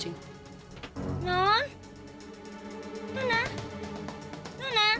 jangan actual drink